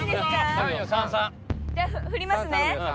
「３」「３」！じゃあ振りますね。